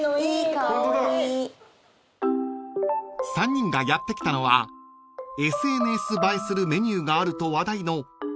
［３人がやって来たのはＳＮＳ映えするメニューがあると話題の］